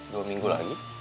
dua minggu lagi